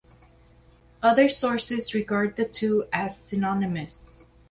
Other sources regard the two as synonymous.